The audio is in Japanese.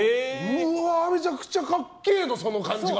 めちゃくちゃかっけえのその感じが。